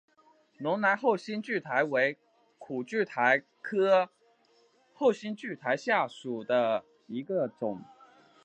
龙南后蕊苣苔为苦苣苔科后蕊苣苔属下的一个种。